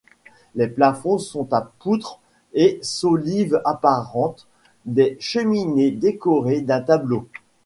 Les plafonds sont à poutres et solives apparentes, les cheminées décorées d'un tableau.